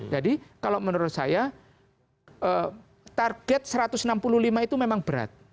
jadi kalau menurut saya target satu ratus enam puluh lima itu memang berat